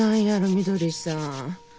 みどりさん。